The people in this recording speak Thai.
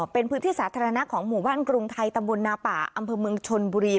เป็นพื้นที่สาธารณะของหมู่บ้านกรุงไทยตำบลนาป่าอำเภอเมืองชนบุรี